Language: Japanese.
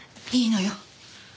いいのよ。